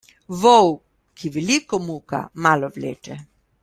Vol, ki veliko muka, malo vleče.